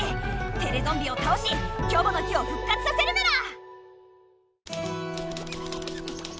テレゾンビをたおしキョボの木をふっ活させるメラ！